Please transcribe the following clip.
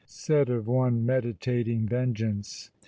said of one meditating vengeance.